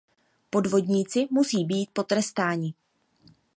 Podvodníci musí být potrestáni.